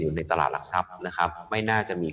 อยู่ในตลาดหลักทรัพย์นะครับไม่น่าจะมี